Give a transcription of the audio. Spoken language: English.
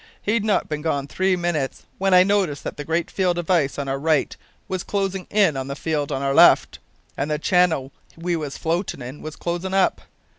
He'd not been gone three minutes when I noticed that the great field of ice on our right was closin' in on the field on our left, and the channel we was floatin' in was closin' up.